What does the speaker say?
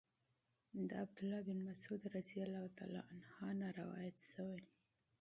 د عبد الله بن مسعود رضی الله عنه نه روايت شوی